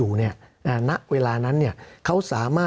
สำหรับกำลังการผลิตหน้ากากอนามัย